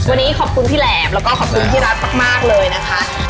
วันนี้ขอบคุณพี่แหลมแล้วก็ขอบคุณพี่รัฐมากเลยนะคะ